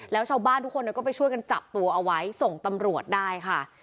แล้วชาวบ้านทุกคนก็ไปช่วยกันจับตัวเอาไว้ส่งตำรวจได้ค่ะ